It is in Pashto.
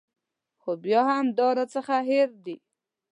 خو بیا هم دا راڅخه هېر دي.